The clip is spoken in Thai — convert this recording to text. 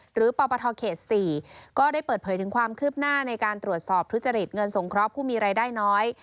ปปทเขต๔ก็ได้เปิดเผยถึงความคืบหน้าในการตรวจสอบทุจริตเงินสงเคราะห์ผู้มีรายได้น้อย